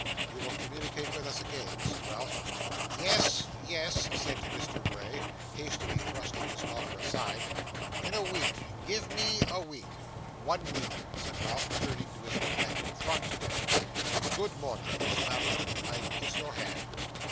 'You will communicate with us again?' said Ralph. 'Yes, yes,' returned Mr. Bray, hastily thrusting his daughter aside. 'In a week. Give me a week.' 'One week,' said Ralph, turning to his companion, 'from today. Good morning. Miss Madeline, I kiss your hand.